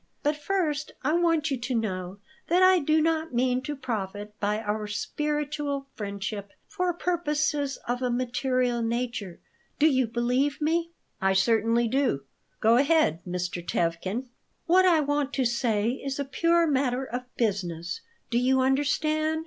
"But first I want you to know that I do not mean to profit by our spiritual friendship for purposes of a material nature. Do you believe me?" "I certainly do. Go ahead, Mr. Tevkin." "What I want to say is a pure matter of business. Do you understand?